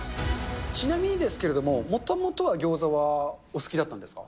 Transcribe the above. ちなみにですけれども、もともとはギョーザはお好きだったんですか。